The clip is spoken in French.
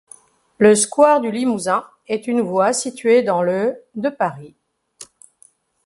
Le square du Limousin est une voie située dans le de Paris.